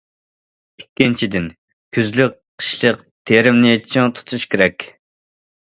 ئىككىنچىدىن، كۈزلۈك، قىشلىق تېرىمنى چىڭ تۇتۇش كېرەك.